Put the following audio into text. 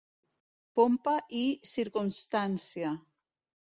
Pompa i circumstància